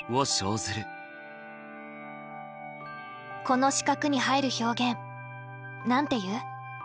この四角に入る表現何て言う？